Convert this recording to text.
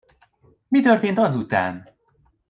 Mi történt azután?